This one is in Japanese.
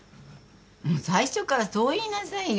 もう最初からそう言いなさいよ。